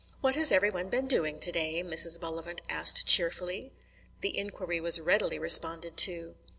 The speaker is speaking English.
"What has every one been doing to day?" Mrs. Bullivant asked cheerfully. The inquiry was readily responded to.